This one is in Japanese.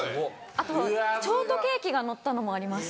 あとショートケーキがのったのもあります。